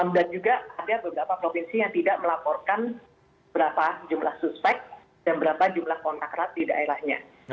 dan juga ada beberapa provinsi yang tidak melaporkan berapa jumlah suspek dan berapa jumlah kontak rat di daerahnya